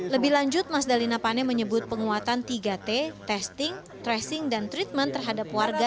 lebih lanjut mas dalina pane menyebut penguatan tiga t testing tracing dan treatment terhadap warga